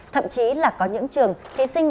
thậm chí là có những trường thị sinh